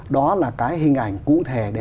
đó là cái hình ảnh cụ thể